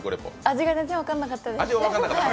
味が全然分からなかったです。